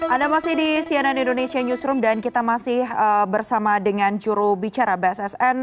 anda masih di cnn indonesia newsroom dan kita masih bersama dengan juru bicara bssn